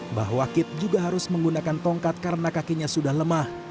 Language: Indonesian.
mbah wakit juga harus menggunakan tongkat karena kakinya sudah lemah